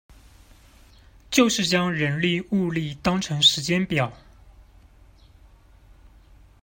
就是將人力物力當成時間表